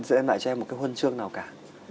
dẫn em lại cho em một cái huân chương nào cả